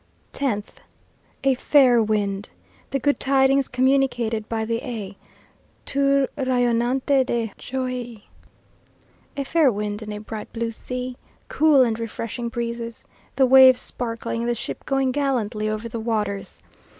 10th. A fair wind. The good tidings communicated by the A , toute rayonnante de joie. A fair wind and a bright blue sea, cool and refreshing breezes, the waves sparkling, and the ship going gallantly over the waters.